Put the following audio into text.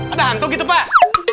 ada hantu gitu pak